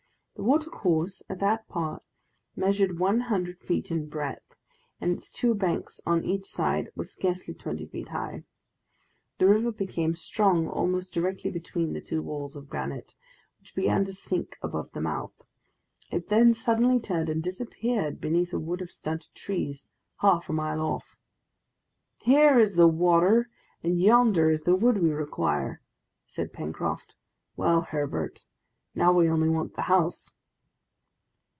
The watercourse at that part measured one hundred feet in breadth, and its two banks on each side were scarcely twenty feet high. The river became strong almost directly between the two walls of granite, which began to sink above the mouth; it then suddenly turned and disappeared beneath a wood of stunted trees half a mile off. "Here is the water, and yonder is the wood we require!" said Pencroft. "Well, Herbert, now we only want the house."